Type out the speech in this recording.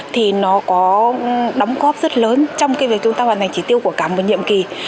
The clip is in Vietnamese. thì nó có đóng góp rất lớn trong cái việc chúng ta hoàn thành chỉ tiêu của cả một nhiệm kỳ